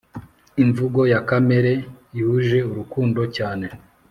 - imvugo ya kamere yuje urukundo cyane.